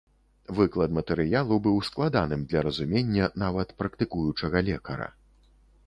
Выклад матэрыялу быў складаным для разумення нават практыкуючага лекара.